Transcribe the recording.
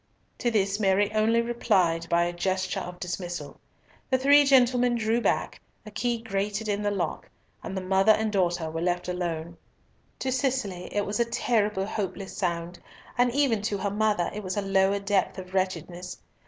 To this Mary only replied by a gesture of dismissal. The three gentlemen drew back, a key grated in the lock, and the mother and daughter were left alone. To Cicely it was a terrible hopeless sound, and even to her mother it was a lower depth of wretchedness.